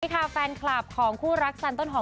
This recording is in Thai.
ค่ะแฟนคลับของคู่รักสันต้นหอม